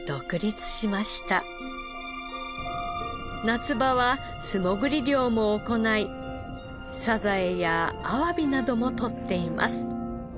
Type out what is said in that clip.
夏場は素潜り漁も行いサザエやアワビなどもとっています。